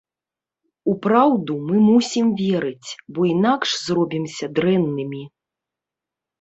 У праўду мы мусім верыць, бо інакш зробімся дрэннымі.